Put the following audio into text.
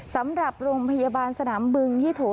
สำหรับโรงพยาบาลสนามบึงยี่โถ